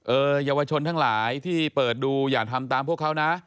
เยาวชนทั้งหลายที่เปิดดูอย่าทำตามพวกเขานะ